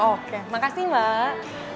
oke makasih mbak